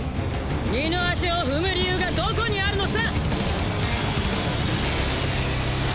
二の足を踏む理由がどこにあるのさ！